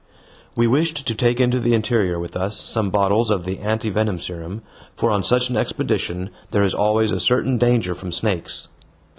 We wished to take into the interior with us some bottles of the anti venom serum, for on such an expedition there is always a certain danger from snakes.